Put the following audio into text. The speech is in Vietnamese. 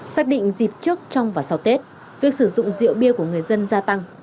xác định dịp trước trong và sau tết việc sử dụng rượu bia của người dân gia tăng